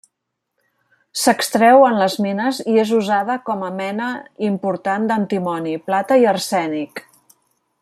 S'extreu en les mines i és usada com a mena important d'antimoni, plata i arsènic.